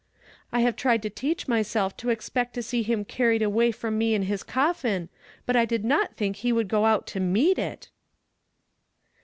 " I liuv(> tried to teach myself to expect to see him cunicd away from me in liis coffin, but I did not tliiiik he would go out to meet it